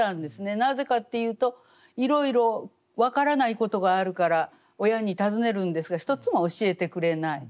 なぜかっていうといろいろ分からないことがあるから親に尋ねるんですが一つも教えてくれない。